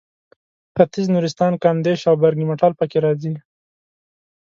ختیځ نورستان کامدېش او برګمټال پکې راځي.